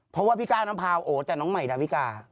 เพราะว่าพี่ก้าวน้ำพาวโอ้แต่น้องใหม่ดาวิกา